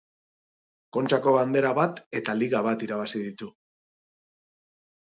Kontxako Bandera bat eta Liga bat irabazi ditu.